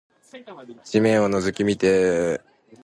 地面を覗き見て植生や地理を知り、空を仰ぎ見て天文や気象を勉強すること。